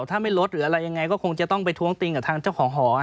ถ้าไม่ลดหรืออะไรยังไงก็คงจะต้องไปท้วงติงกับทางเจ้าของหอ